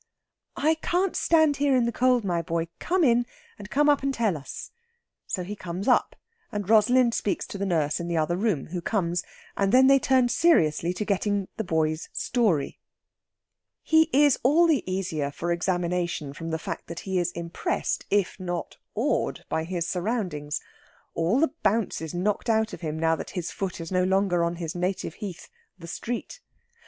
"I can't stand here in the cold, my boy. Come in, and come up and tell us." So he comes up, and Rosalind speaks to the nurse in the other room, who comes; and then they turn seriously to getting the boy's story. He is all the easier for examination from the fact that he is impressed, if not awed, by his surroundings. All the bounce is knocked out of him, now that his foot is no longer on his native heath, the street.